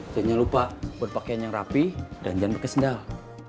dan jangan lupa buat pakaian yang rapi dan jangan pakai sendal